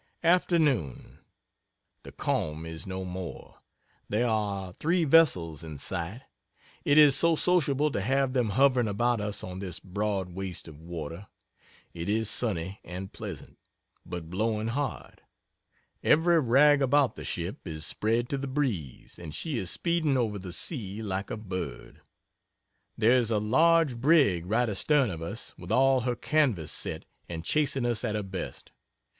Afternoon The calm is no more. There are three vessels in sight. It is so sociable to have them hovering about us on this broad waste of water. It is sunny and pleasant, but blowing hard. Every rag about the ship is spread to the breeze and she is speeding over the sea like a bird. There is a large brig right astern of us with all her canvas set and chasing us at her best.